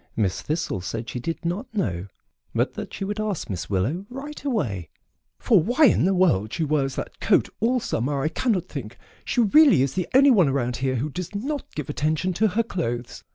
Miss Thistle said she did not know, but that she would ask Miss Willow right away, "for why in the world she wears that fur coat all summer I cannot think. She really is the only one around here who does not give attention to her clothes.